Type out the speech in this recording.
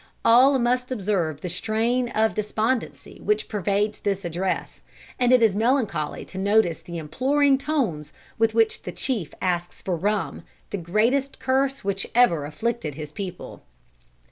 All must observe the strain of despondency which pervades this address, and it is melancholy to notice the imploring tones with which the chief asks for rum, the greatest curse which ever afflicted his people.